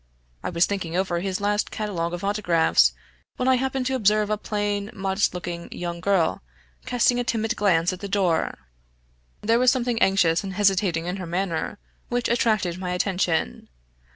I was thinking over his last catalogue of autographs, when I happened to observe a plain, modest looking young girl casting a timid glance at the door. There was something anxious and hesitating in her manner, which attracted my attention.